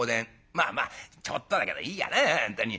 まあまあちょっとだけどいいやな本当に。